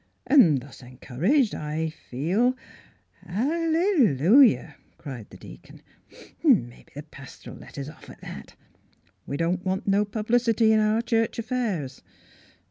An' thus encouraged, I feel —" "Hallelujah!" cried the deacon. " Mebbe the pastor '11 let us off at that. We don't want no publicity in our church affairs.